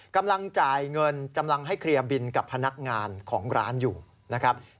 กำลังจ่ายเงินกำลังให้เคลียร์บินกับพนักงานของร้านอยู่นะครับ